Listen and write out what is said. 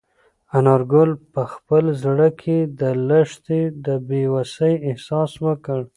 انارګل په خپل زړه کې د لښتې د بې وسۍ احساس وکړ.